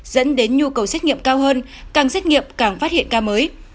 dẫn đến nhu cầu xét nghiệm cao hơn càng xét nghiệm càng phát hiện ca mới